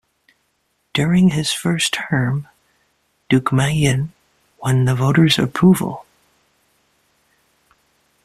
During his first term, Deukmejian won the voters' approval.